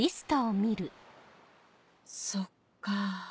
そっか。